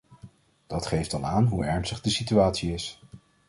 Dat geeft al aan hoe ernstig de situatie is.